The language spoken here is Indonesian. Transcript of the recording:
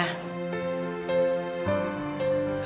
saya tidak akan memaksa